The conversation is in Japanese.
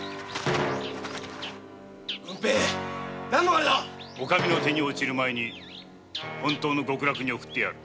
お上の手に落ちる前に本当の極楽へ送ってやる。